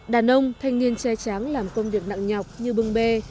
đàn ông thanh niên che tráng làm công việc nặng nhọc như bưng bê